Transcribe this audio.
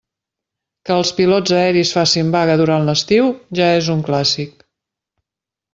Que els pilots aeris facin vaga durant l'estiu, ja és un clàssic.